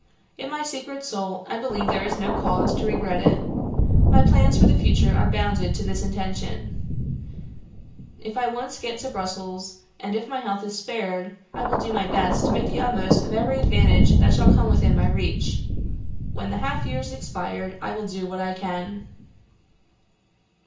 In my secret soul, I believe there is no cause to regret it. My plans for the future are bounded to this intention: if I once get to Brussels, and if my health is spared, I will do my best to make the utmost of every advantage that shall come within my reach. When the half year is expired, I will do what I can.